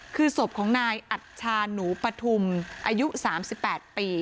คือศพของนายอัชชานุปธุมอายุสามสิบแปดปี